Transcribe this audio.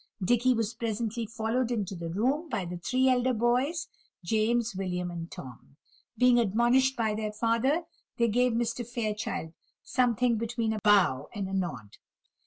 Dicky was presently followed into the room by the three elder boys, James, William, and Tom. Being admonished by their father, they gave Mr. Fairchild something between a bow and a nod.